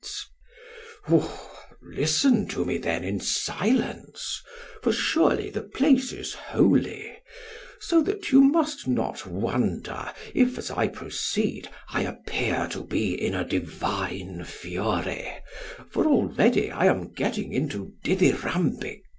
SOCRATES: Listen to me, then, in silence; for surely the place is holy; so that you must not wonder, if, as I proceed, I appear to be in a divine fury, for already I am getting into dithyrambics.